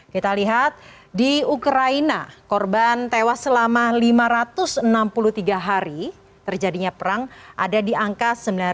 kita lihat di ukraina korban tewas selama lima ratus enam puluh tiga hari terjadinya perang ada di angka sembilan ribu enam ratus empat belas